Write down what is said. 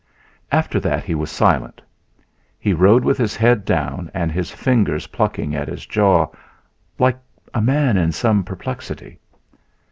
After that he was silent. He rode with his head down and his fingers plucking at his jaw, like a man in some perplexity.